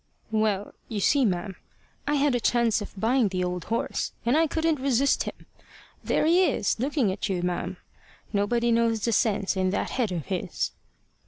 "Well, you see, ma'am, I had a chance of buying the old horse, and I couldn't resist him. There he is, looking at you, ma'am. Nobody knows the sense in that head of his."